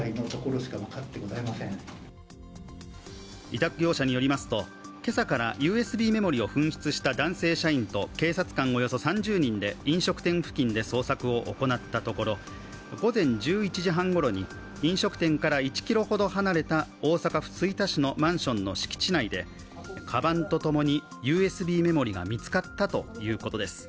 委託業者によりますと今朝からＵＳＢメモリーを紛失した男性社員と警察官およそ３０人で飲食店付近で捜索を行ったところ、午前１１時半ごろに飲食店から１ｋｍほど離れた大阪府吹田市のマンションの敷地内でかばんとともにＵＳＢメモリーが見つかったということです。